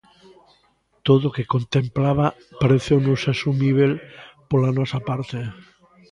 Todo o que contemplaba pareceunos asumíbel pola nosa parte.